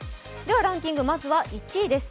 ランキング、まずは１位です。